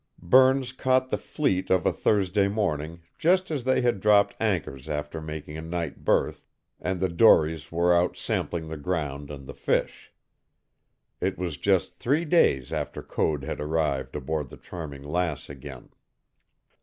Burns caught the fleet of a Thursday morning, just as they had dropped anchors after making a night berth, and the dories were out sampling the ground and the fish. It was just three days after Code had arrived aboard the Charming Lass again.